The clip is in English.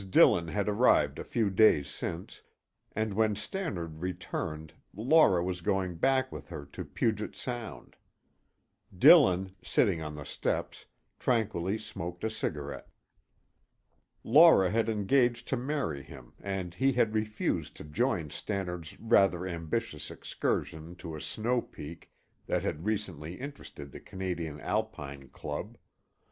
Dillon had arrived a few days since, and when Stannard returned Laura was going back with her to Puget Sound. Dillon, sitting on the steps, tranquilly smoked a cigarette. Laura had engaged to marry him and he had refused to join Stannard's rather ambitious excursion to a snow peak that had recently interested the Canadian Alpine Club.